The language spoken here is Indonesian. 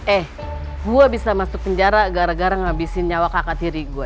eh gua bisa masuk penjara gara gara ngabisin nyawa kakak tiri gue